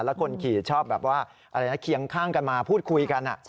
แล้วคนขี่ชอบแบบว่าอะไรนะเคียงข้างกันมาพูดคุยกัน